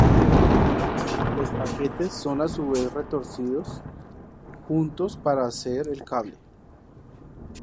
Los paquetes son a su vez retorcidos juntos para hacer el cable.